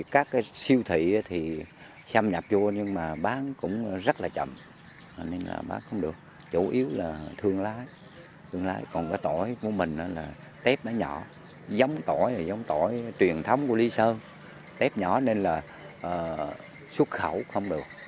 chủ yếu là thương lái còn tỏi của mình là tép nhỏ giống tỏi truyền thống của lý sơn tép nhỏ nên là xuất khẩu không được